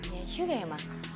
ya sudah ya emang